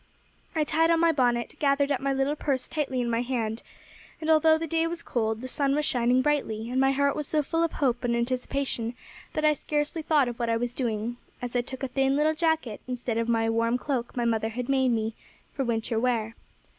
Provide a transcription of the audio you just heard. I tied on my bonnet, gathered up my little purse tightly in my hand; and although the day was cold, the sun was shining brightly, and my heart was so full of hope and anticipation that I scarcely thought of what I was doing, as I took a thin little jacket instead of the warm cloak my mother had made me for winter wear.